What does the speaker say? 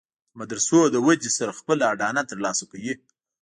د مدرسو له ودې سره خپله اډانه تر لاسه کوي.